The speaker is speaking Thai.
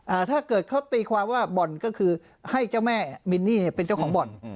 ถ้าเกิดเขาตีความว่าบ่อนก็คือให้เจ้าแม่มินนี่เป็นเจ้าของบ่อน